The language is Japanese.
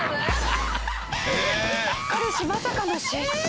彼氏まさかの失神！